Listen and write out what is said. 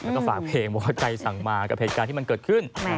แล้วก็ฝากเพลงว่าไกลสั่งมากระเพลงการที่มันเกิดขึ้น